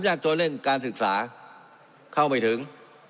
ยากจนเรื่องการศึกษาเข้าไม่ถึง